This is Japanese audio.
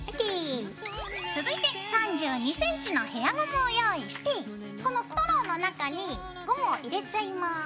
続いて３２ｃｍのヘアゴムを用意してこのストローの中にゴムを入れちゃいます。